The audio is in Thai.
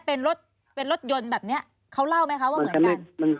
เป็นรถเป็นรถยนต์แบบนี้เขาเล่าไหมคะว่าเหมือนกัน